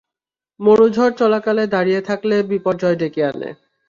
মরুঝড় চলাকালে দাঁড়িয়ে থাকলে বিপর্যয় ডেকে আনে।